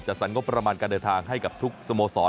สรรงบประมาณการเดินทางให้กับทุกสโมสร